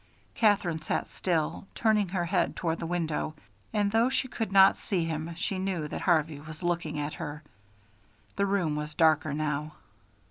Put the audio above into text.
Katherine sat still, turning her head toward the window, and though she could not see him she knew that Harvey was looking at her. The room was darker now.